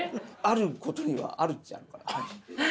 あることにはあるっちゃあるかな。